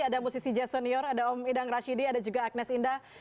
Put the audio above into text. ada musisi jazz senior ada om idang rashidi ada juga agnes indah